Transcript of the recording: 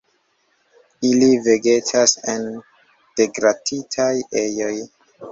Ili vegetas en degraditaj ejoj.